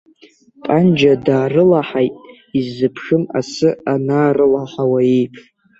Панџьа даарылаҳаит иззыԥшым асы анаарылаҳауа еиԥш.